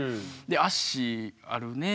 「足あるね。